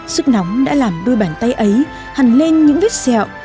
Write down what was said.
sức nóng đã làm đôi bàn tay ấy hẳn lên những vết sẹo